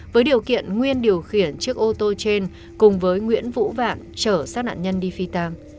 với điều kiện nguyên điều khiển chiếc ô tô trên cùng với nguyễn vũ vạn trở sát nạn nhân đi phi tàng